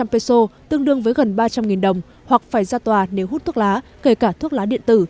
peso tương đương với gần ba trăm linh đồng hoặc phải ra tòa nếu hút thuốc lá kể cả thuốc lá điện tử